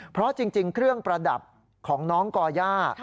เพราะจริงเครื่องประดับของน้องก่อย่า